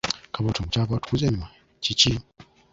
Kabootongo, Kyava atukuza emimwa kiki?